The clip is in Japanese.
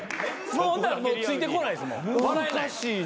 ほんならもうついてこないです笑えない。